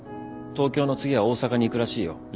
東京の次は大阪に行くらしいよ。